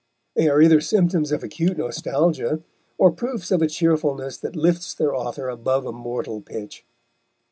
They are either symptoms of acute nostalgia, or proofs of a cheerfulness that lifts their author above a mortal pitch.